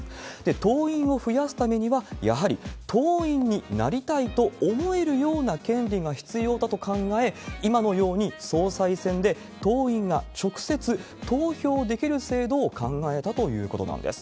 党員を増やすためには、やはり党員になりたいと思えるような権利が必要だと考え、今のように総裁選で党員が直接投票できる制度を考えたということなんです。